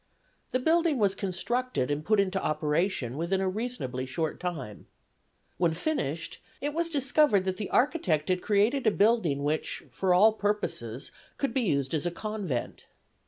The building was constructed and put into operation within a reasonably short time. When finished it was discovered that the architect had created a building which for all purposes could be used as a convent.